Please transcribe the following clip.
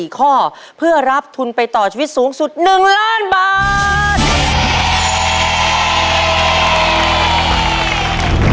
๔ข้อเพื่อรับทุนไปต่อชีวิตสูงสุด๑ล้านบาท